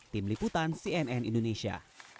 tim liputan cnn indonesia